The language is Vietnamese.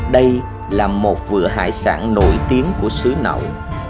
đây là một vựa hải sản nổi tiếng của xứ nậu